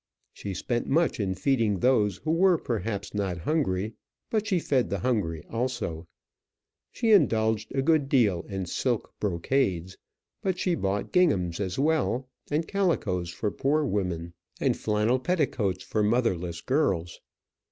She spent much in feeding those who perhaps were not hungry; but she fed the hungry also: she indulged a good deal in silk brocades; but she bought ginghams as well, and calicos for poor women, and flannel petticoats for motherless girls.